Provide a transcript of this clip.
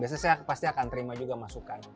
biasanya saya pasti akan terima juga masukan